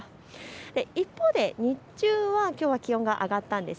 一方で日中はきょうは気温が上がったんです。